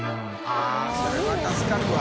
◆舛それは助かるわ。